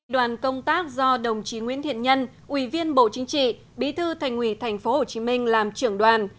đoàn công tác do đồng chí nguyễn thiện nhân ủy viên bộ chính trị bí thư thành ủy tp hcm làm trưởng đoàn